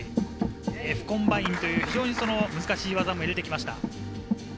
Ｆコンバインという難しい技も入れてきました。